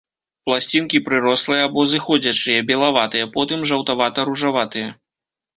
Пласцінкі прырослыя або зыходзячыя, белаватыя, потым жаўтавата-ружаватыя.